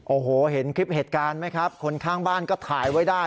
โอ้โหเห็นคลิปเหตุการณ์ไหมครับคนข้างบ้านก็ถ่ายไว้ได้